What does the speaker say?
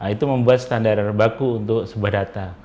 itu membuat standar baku untuk sebuah data